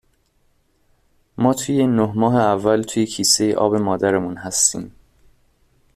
ما توی نه ماه اول توی کیسهی آب مادرمون هستیم